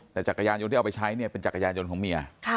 แต่จักรยานยนต์ที่เอาไปใช้เนี่ยเป็นจักรยานยนต์ของเมีย